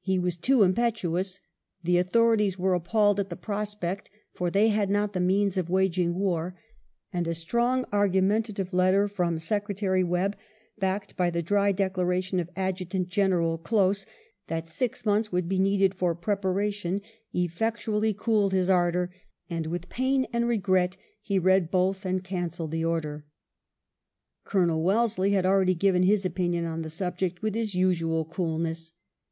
He was too impetuous. The authorities were appalled at the prospect, for they had not the means of waging war; and a strong argumentative letter from Secretary Webbe, backed by the dry declaration of Adjutant General Close that six months would be needed for preparation, effectually cooled his ardour, and " with pain and regret " he read both, and cancelled the order. Colonel Wellesley had already given his opinion on the subject with his usual coolness.